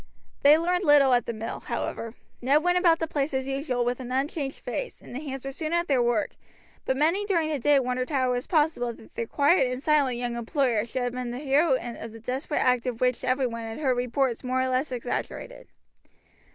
They learned little at the mill, however. Ned went about the place as usual with an unchanged face, and the hands were soon at their work; but many during the day wondered how it was possible that their quiet and silent young employer should have been the hero of the desperate act of which every one had heard reports more or less exaggerated.